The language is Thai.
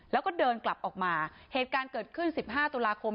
แล้วก็เดินกลับออกมาเหตุการณ์เกิดขึ้น๑๕ตุลาคม